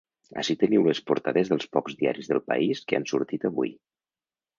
Ací teniu les portades dels pocs diaris del país que han sortit avui.